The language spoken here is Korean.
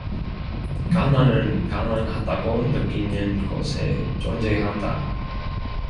가난은 가난하다고 느끼는 곳에 존재한다.